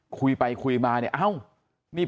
คุยไปคุยมาเนี่ย